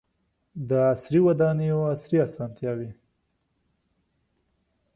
• د عصري ودانیو عصري اسانتیاوې.